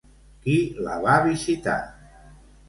Qui la va visitar?